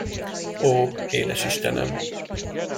Ó, Édes Istenem!